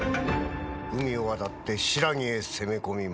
海を渡って新羅へ攻め込みまする。